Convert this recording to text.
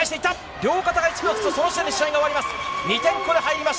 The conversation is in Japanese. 両肩がつくと、その時点で試合が終わります。